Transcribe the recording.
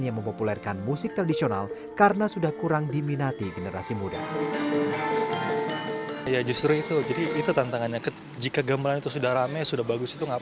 yang mempopulerkan musik tradisional karena sudah kurang diminati generasi muda